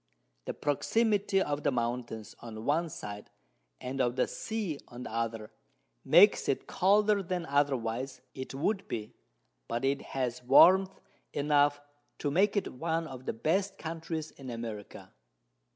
The Proximity of the Mountains on one side, and of the Sea on the other, makes it colder than otherwise it would be; but it has Warmth enough to make it one of the best Countries in America.